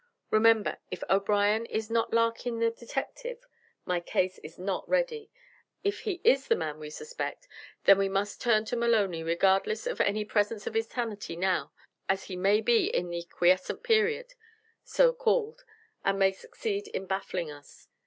Remember, if O'Brien is not Larkin the detective, my case is not ready; if he is the man we suspect, then we must turn to Maloney regardless of any presence of insanity now, as he maybe in the quiescent period, so called, and may succeed in baffling us.